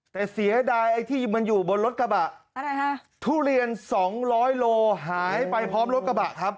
แต่เสียดายไอ้ที่มันอยู่บนรถกระบะอะไรฮะทุเรียนสองร้อยโลหายไปพร้อมรถกระบะครับ